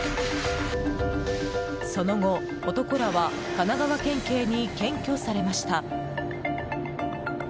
その後、男らは神奈川県警に検挙されました。